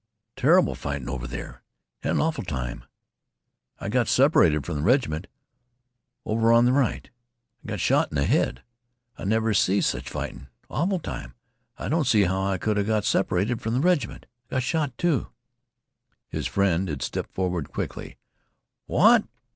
Ter'ble fightin' over there. I had an awful time. I got separated from th' reg'ment. Over on th' right, I got shot. In th' head. I never see sech fightin'. Awful time. I don't see how I could 'a got separated from th' reg'ment. I got shot, too." His friend had stepped forward quickly. "What?